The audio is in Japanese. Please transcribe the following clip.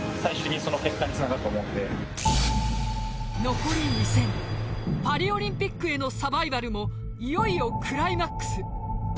残り２戦パリオリンピックへのサバイバルもいよいよクライマックス。